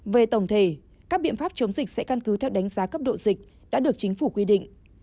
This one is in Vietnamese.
về tổng thể các biện pháp chống dịch sẽ căn cứ theo đánh giá cấp độ dịch đã được chính phủ quy định